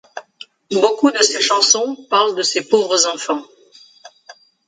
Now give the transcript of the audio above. Beaucoup de ses chansons parlent de ces pauvres enfants.